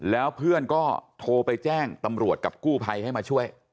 แล้วเพื่อนก็โทรไปแจ้งตำรวจกับกู้ภัยให้มาช่วย